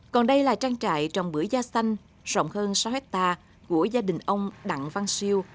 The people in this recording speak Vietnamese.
còn đây là trang trại trồng bưởi da xanh rộng hơn sáu hectare của gia đình ông đặng văn siêu